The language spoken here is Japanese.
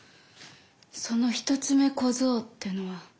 その一つ目小僧ってのは。